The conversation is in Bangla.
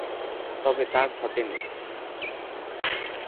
তবে, তা ঘটেনি।